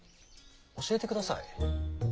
教えてください。